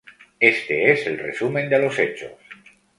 Este es el resumen de los hechos.